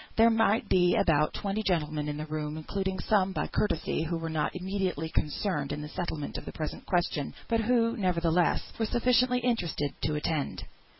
There might be about twenty gentlemen in the room, including some by courtesy, who were not immediately concerned in the settlement of the present question; but who, nevertheless, were sufficiently interested to attend.